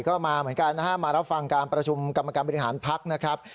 ก็มาเหมือนกันนะฮะมารับฟังการประชุมกรรมการบริหารพักนะครับ